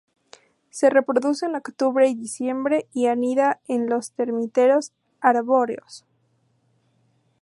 Se reproduce entre octubre y diciembre y anida en los termiteros arbóreos.